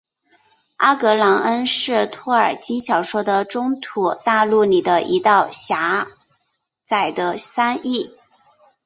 阿格朗恩是托尔金小说的中土大陆里的一道狭窄的山隘。